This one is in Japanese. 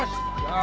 あ。